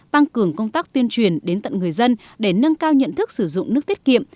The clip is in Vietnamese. tăng cường công tác tuyên truyền đến tận người dân để nâng cao nhận thức sử dụng nước tiết kiệm